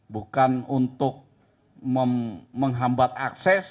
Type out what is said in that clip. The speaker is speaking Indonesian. bukan untuk menghambat akses